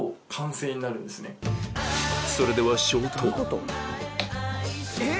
それではえっ！